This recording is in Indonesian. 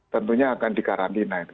tentunya akan dikarantinan